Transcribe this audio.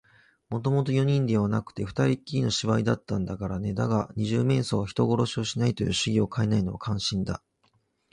もともと四人ではなくて、ふたりきりのお芝居だったんだからね。だが、二十面相が人殺しをしないという主義をかえないのは感心だ。